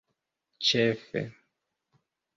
ĉefe